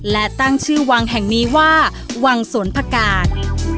และตั้งชื่อวังแห่งนี้ว่าวังสวนพกาศ